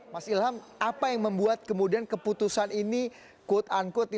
mas ilham apa yang membuat kemudian keputusan ini quote unquote